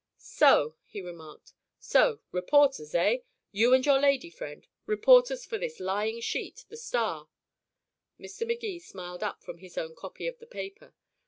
"So," he remarked. "So reporters, eh? You and your lady friend? Reporters for this lying sheet the Star?" Mr. Magee smiled up from his own copy of the paper.